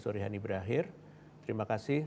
sorehani berakhir terima kasih